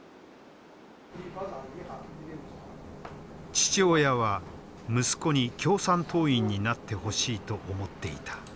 父親は息子に共産党員になってほしいと思っていた。